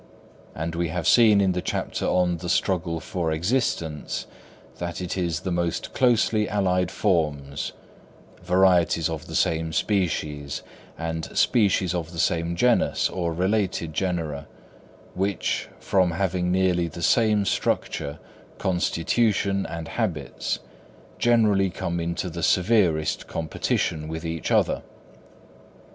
And we have seen in the chapter on the Struggle for Existence that it is the most closely allied forms,—varieties of the same species, and species of the same genus or related genera,—which, from having nearly the same structure, constitution and habits, generally come into the severest competition with each other.